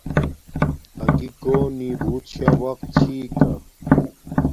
ھاگی کونی بوت شا وقت چھی کا